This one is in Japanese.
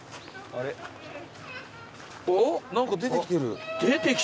あっ何か出てきてる。